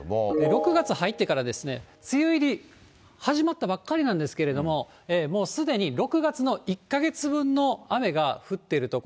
６月入ってから梅雨入り、始まったばっかりなんですけども、もうすでに６月の１か月分の雨が降っている所。